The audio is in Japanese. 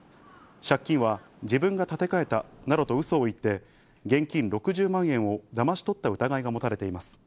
借金は自分が立て替えたなどとウソを言って現金６０万円をだまし取った疑いが持たれています。